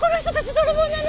泥棒なの！